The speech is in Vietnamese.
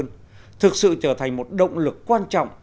trung ương thực sự trở thành một động lực quan trọng